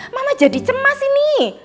mama jadi cemas ini